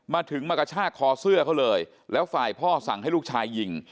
มาถึงมากระชากคอเสื้อเขาเลยแล้วฝ่ายพ่อสั่งให้ลูกชายยิง